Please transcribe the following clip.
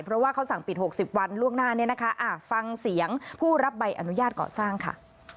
เพราะว่าเขาสั่งปิด๖๐วันล่วงหน้าเนี่ยนะคะฟังเสียงผู้รับใบอนุญาตก่อสร้างค่ะ